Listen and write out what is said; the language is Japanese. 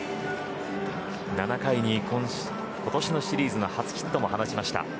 ７回に今年のシリーズの初ヒットも放ちました。